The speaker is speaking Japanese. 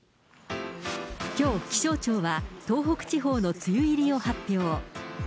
きょう、気象庁は東北地方の梅雨入りを発表。